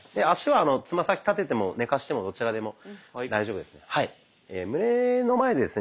足はつま先立てても寝かしてもどちらでも大丈夫ですので。